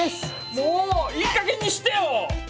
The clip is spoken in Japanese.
もういいかげんにしてよ！